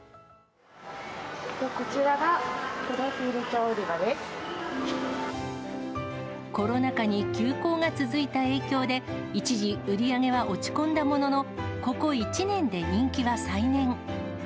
こちらがプロフィール帳売りコロナ禍に休校が続いた影響で、一時、売り上げは落ち込んだものの、ここ１年で人気は再燃。